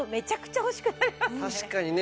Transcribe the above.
確かにね